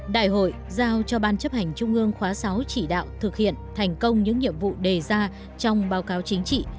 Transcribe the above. đại hội giao cho ban chấp hành trung ương khóa sáu chỉ đạo thực hiện thành công những nhiệm vụ đề ra trong báo cáo chính trị